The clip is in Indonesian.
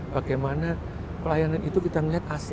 bagaimana pelayanan itu kita melihat ac